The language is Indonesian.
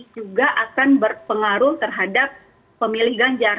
juga akan berpengaruh terhadap pemilih ganjar